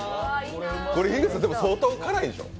樋口さん、相当辛いでしょう？